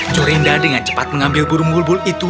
jorinda dengan cepat mengambil burung bul bul itu